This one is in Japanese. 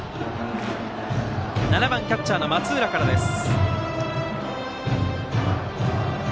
７番キャッチャーの松浦からです。